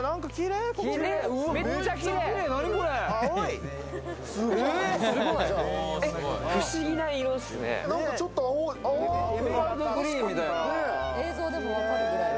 エメラルドグリーンみたいな。